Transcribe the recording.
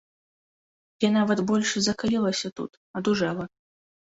Я нават больш закалілася тут, адужэла.